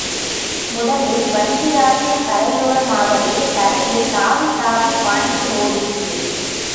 முதலில் வஞ்சியாற்றின் கரையோரமாகவே தரையில் தாவித்தாவிப் பாய்ந்து ஓடிற்று.